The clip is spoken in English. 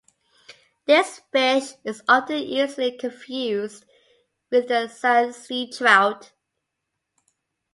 This fish is often easily confused with the sand seatrout.